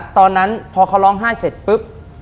ตอนนั้นพอเขาร้องไห้เสร็จปุ๊บ